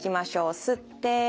吸って。